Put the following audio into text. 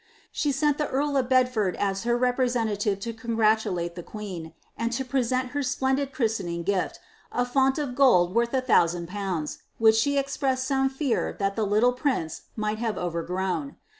"' She sent the^earl of Bedford as her re prewnlative to congratulate tlie queen, and to present her splendid duisteniDg gift, a font of gold worth 1000/., which she expressed some fcar thai wm little prince might have over grown.